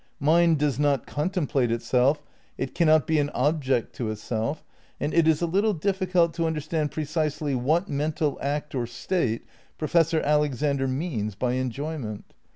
Mind does not contemplate itself, it cannot be an object to itself; and it is a little difficult to understand precisely what mental act or state Professor Alexander means by "en joyment."